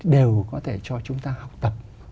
đều có thể cho chúng ta học tập